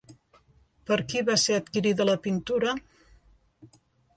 Per qui va ser adquirida la pintura?